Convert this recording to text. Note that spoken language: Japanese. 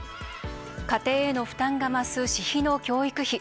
家庭への負担が増す私費の教育費